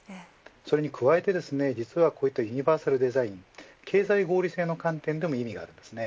それに加えて実はこういったユニバーサルデザイン経済合理性の観点でも意味があります。